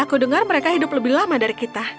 aku dengar mereka hidup lebih lama dari kita